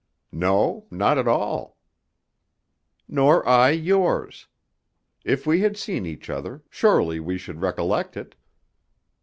"No, not at all." "Nor I yours. If we had seen each other, surely we should recollect it."